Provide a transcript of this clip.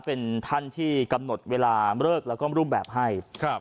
เป็นท่านที่กำหนดเวลาเลิกแล้วก็รูปแบบให้ครับ